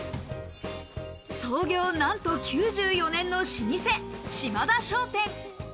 創業なんと９４年の老舗、島田商店。